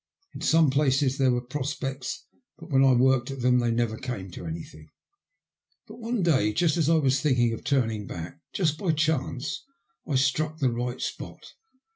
In some places there were prospects, but when I worked at them they never came to anything. But one day, just as I was thinking of turning back, just by chance I struck the right spot.